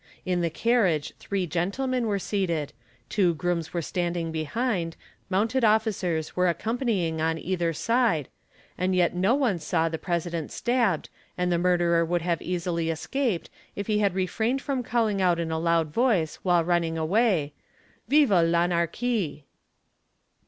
In the carriage a SI ' three gentlemen were seated, two grooms were standing behind, mounted : ea) "Officers were accompanying on either side, and yet no one saw the Pre sident stabbed and the murderer would have easily escaped if he had Yefrained from calling out in a loud voice while running away :—'' Vive Panarchie."